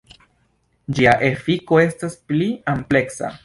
Ĝia efiko estas pli ampleksa.